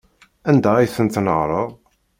Anda ay ten-tnehṛeḍ?